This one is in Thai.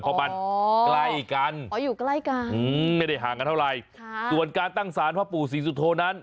อ๋ออยู่ใกล้กันไม่ได้ห่างกันเท่าไหร่ส่วนการตั้งศาลพระปู่ศรีสุโธนั้น